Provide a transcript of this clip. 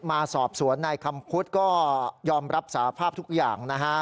มาสอบสวนนายคำพุทธก็ยอมรับสาภาพทุกอย่างนะฮะ